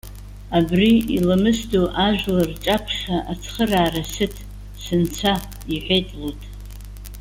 Абри иламысдоу ажәлар рҿаԥхьа ацхыраара сыҭ, сынцәа!- иҳәеит Луҭ.